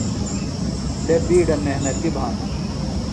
لے بِیڈہ محنتیۡ بھانہ۔